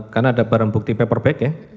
karena ada barang bukti paperback ya